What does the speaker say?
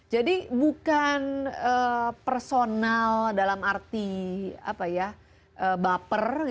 jadi bukan personal dalam arti baper